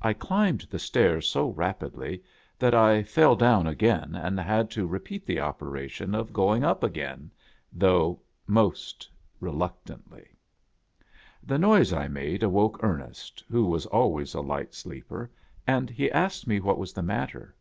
I climbed the stairs so rapidly that I fell down again, and had to repeat the operation of going up again, though most reluctantly. The noise I made awoke Ernest, who was always a light sleeper, and he asked me what was the matter.